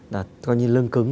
là coi như lương cứng ấy